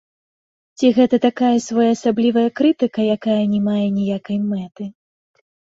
Ці гэта такая своеасаблівая крытыка, якая не мае ніякай мэты?